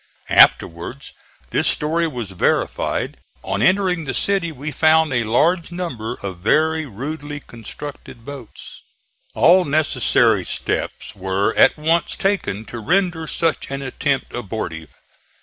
Afterwards this story was verified: on entering the city we found a large number of very rudely constructed boats. All necessary steps were at once taken to render such an attempt abortive.